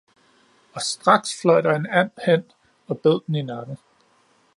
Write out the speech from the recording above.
Og straks fløj der en and hen og bed den i nakken